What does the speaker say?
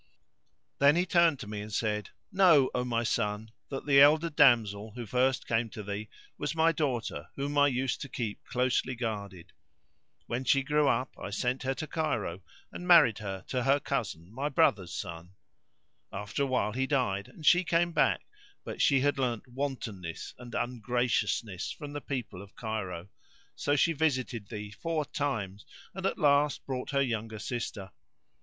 Then he turned to me and said, "Know, O my son, that the elder damsel who first came to thee was my daughter whom I used to keep closely guarded. When she grew up, I sent her to Cairo and married her to her cousin, my brother's son. After a while he died and she came back: but she had learnt wantonness and ungraciousness from the people of Cairo;[FN#598] so she visited thee four times and at last brought her younger sister.